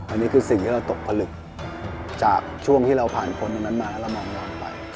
อันนี้คือสิ่งที่เราตกผลึกจากช่วงที่เราผ่านคนตรงนั้นมาแล้วเรามองย้อนไป